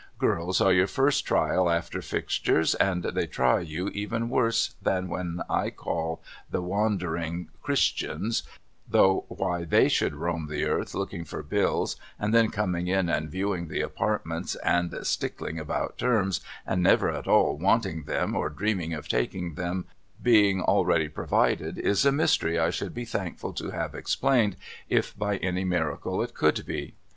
Girls are your first trial after fixtures and they try you even worse than what I call the Wandering Christians, though why tJiey should roam the earth looking for bills and then coming in and viewing the apartments and stickling about terms and never at all wanting them or dreaming of taking them being already provided, is a mystery I should be thankful to have explained if by any miracle it could be.